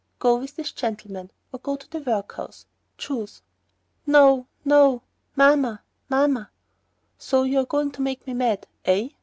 "Go with this gentleman or go to the workhouse. Choose!" "No, no. Mamma! Mamma!" "So, you're going to make me mad, eh!"